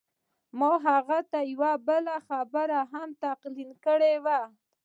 ما هغه ته یوه بله خبره هم تلقین کړې وه